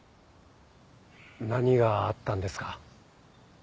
何があったんですか？